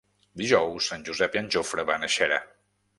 Dijous en Josep i en Jofre van a Xera.